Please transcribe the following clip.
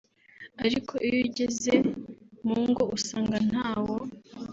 ariko iyo ugeze mu ngo usanga ntawo